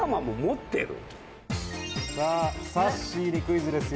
さっしーにクイズですよ。